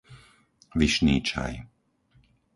Vyšný Čaj